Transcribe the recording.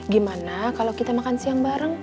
gimana kalau kita makan siang bareng